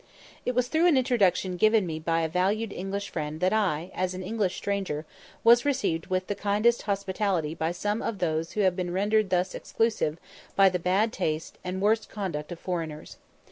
It was through an introduction given me by a valued English friend that I, as an English stranger, was received with the kindest hospitality by some of those who have been rendered thus exclusive by the bad taste and worse conduct of foreigners.